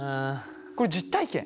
これ実体験？